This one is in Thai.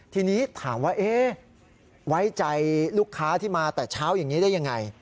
ทีนี้ถามว่าไว้ใจลูกค้าที่มาแต่เช้าอย่างนี้ได้ยังไง